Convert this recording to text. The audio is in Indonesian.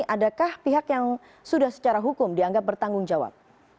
adakah pihak yang sudah secara hukum dianggap bertanggung jawab